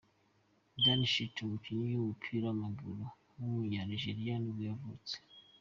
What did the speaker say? Danny Shitu, umukinnyi w’umupira w’amaguru w’umunyanigeriya nibwo yavutse.